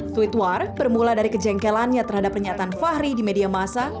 tweet war bermula dari kejengkelannya terhadap pernyataan fahri di media masa